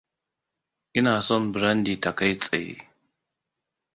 Ina son brandy ta kai tsaye.